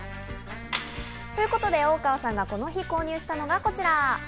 ということで、大川さんがこの日、購入したのがこちら。